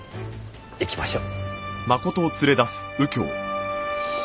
行きましょう。